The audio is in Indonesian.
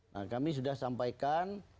nah kami sudah sampaikan